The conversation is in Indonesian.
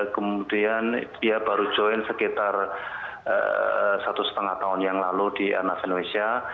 kemudian dia baru join sekitar satu setengah tahun yang lalu di airnav indonesia